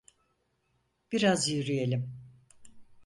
Biraz yürüyelim.